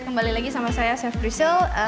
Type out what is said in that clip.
kembali lagi sama saya chef priscil